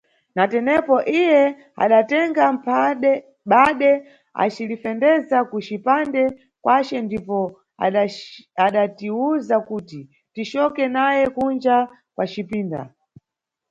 Na tenepo, iye adatenga phande acilifendeza ku cipande kwace ndipo adatiwuza kuti ticoke naye kunja kwa cipinda.